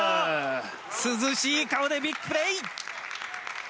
涼しい顔でビッグプレー！